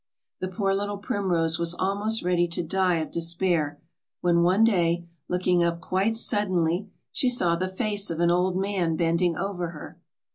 The poor little primrose was almost ready to die of despair, when one day, looking up quite suddenly, she saw the face of an old man bending over her.